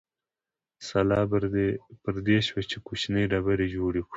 سلا پر دې شوه چې کوچنۍ ډبرې جوړې کړو.